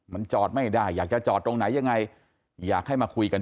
มันจอดไม่ได้อยากจะจอดตรงไหนยังไงอยากให้มาคุยกัน